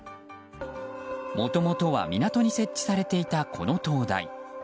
もともとは港に設置されていたこの灯台。